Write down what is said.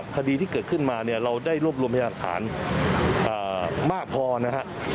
คดีที่เกิดขึ้นมาเนี่ยเราได้รวบรวมพยานฐานมากพอนะฮะ